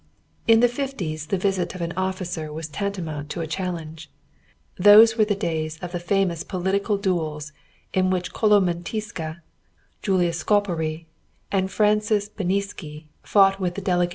In the fifties the visit of an officer was tantamount to a challenge. Those were the days of the famous political duels in which Coloman Tisza, Julius Szapary, and Francis Beniczky fought with the delegated officers.